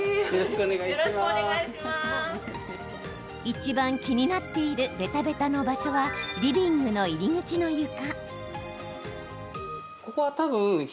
いちばん気になっているベタベタの場所はリビングの入り口の床。